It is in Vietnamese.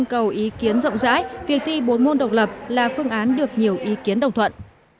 cầu ý kiến rộng rãi việc thi bốn môn độc lập là phương án được nhiều ý kiến đồng thuận